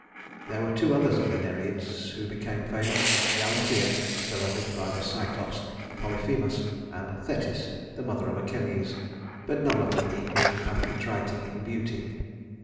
There were two others of the Nereids who became famous: Galatea, beloved by the Cyclops Polyphemus, and Thetis, the mother of Achilles; but none of them equaled Amphitrite in beauty.